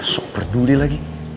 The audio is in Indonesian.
super duli lagi